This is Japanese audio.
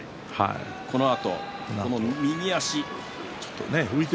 このあと、右足。